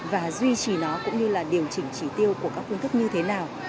và duy trì nó cũng như là điều chỉnh chỉ tiêu của các phương thức như thế nào